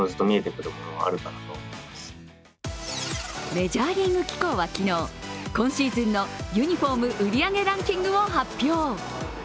メジャーリーグ機構は昨日、今シーズンのユニフォーム売り上げランキングを発表。